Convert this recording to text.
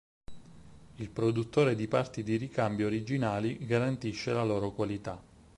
Il produttore di parti di ricambio originali garantisce la loro qualità.